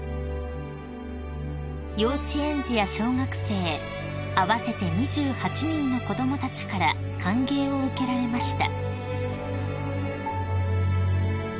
［幼稚園児や小学生合わせて２８人の子供たちから歓迎を受けられました］